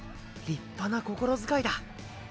立派な心遣いだ。